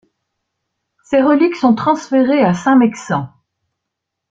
Ses reliques sont transférées à Saint-Maixent.